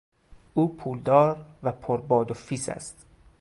او پولدار و پر باد و فیس است.